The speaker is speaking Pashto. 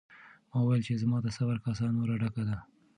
ما وویل چې زما د صبر کاسه نوره ډکه ده.